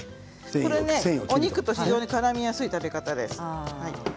お肉と非常にからみやすい食べ方です。